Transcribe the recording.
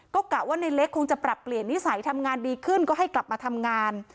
ก็กะว่าในเล็กคงจะปรับเปลี่ยนนิสัยทำงานดีขึ้นก็ให้กลับมาทำงาน